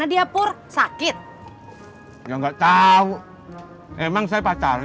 ohhh bok arm bok arm gak nanya emang juang penting lo